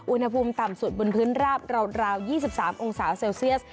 อุณหภูมิต่ำสุดบนพื้นราบราว๒๓องศาเซลเซียส